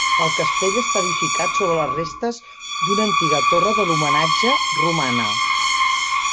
El castell està edificat sobre les restes d'una antiga torre de l'homenatge romana.